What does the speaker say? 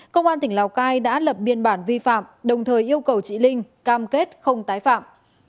công an tỉnh lào cai đã lập biên bản vi phạm đồng thời yêu cầu chị linh cam kết không tái phạm